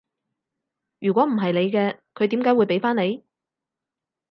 如果唔係你嘅，佢點解會畀返你？